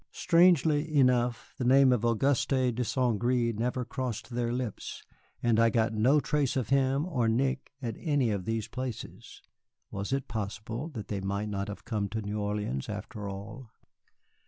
Strangely enough, the name of Auguste de St. Gré never crossed their lips, and I got no trace of him or Nick at any of these places. Was it possible that they might not have come to New Orleans after all?